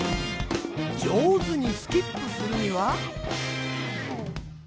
じょうずにスキップするには。